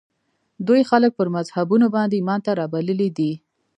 دوی خلک پر مذهبونو باندې ایمان ته رابللي دي